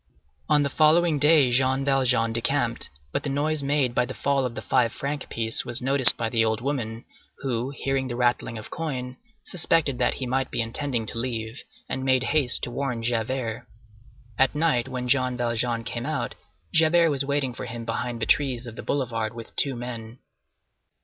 On the following day Jean Valjean decamped; but the noise made by the fall of the five franc piece was noticed by the old woman, who, hearing the rattling of coin, suspected that he might be intending to leave, and made haste to warn Javert. At night, when Jean Valjean came out, Javert was waiting for him behind the trees of the boulevard with two men.